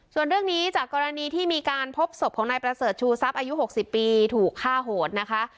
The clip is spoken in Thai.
ส่วนเรื่องนี้จากกรณีที่มีการพบศพของนายประเสริฐชูทรัพย์อายุ๖๐ปีถูกฆ่าโหดนะคะ